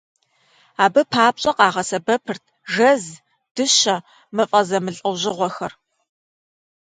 Абы папщӀэ къагъэсэбэпырт жэз, дыщэ, мывэ зэмылӀэужьыгъуэхэр.